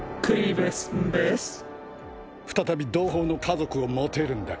再び同胞の家族を持てるんだ。